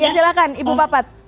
ya silahkan ibu bapat